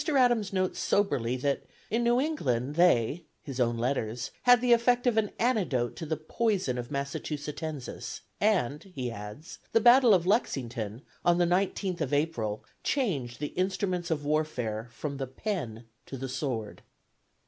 Adams notes soberly that "in New England, they [his own letters] had the effect of an antidote to the poison of Massachusettensis, and," he adds, "the battle of Lexington, on the 19th of April, changed the instruments of warfare from the pen to the sword."